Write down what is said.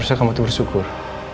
rasa kamu tuh bersyukur